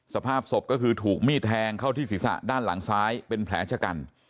สภาพศพก็คือถูกมีดแทงเข้าที่ศีรษะด้านหลังซ้ายเป็นแผลชะกัน